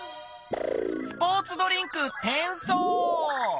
スポーツドリンクてんそう。